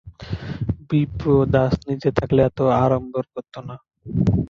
বিপ্রদাস নিজে থাকলে এত আড়ম্বর করত না।